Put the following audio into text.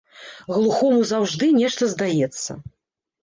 Глухому заўжды нешта здаецца.